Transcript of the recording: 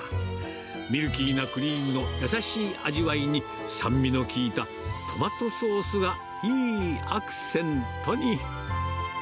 ミルキーなクリームの優しい味わいに、酸味の効いたトマトソースがいいアクセントに。